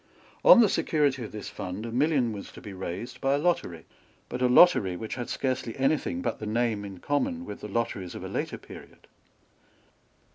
On the security of this fund a million was to be raised by a lottery, but a lottery which had scarcely any thing but the name in common with the lotteries of a later period.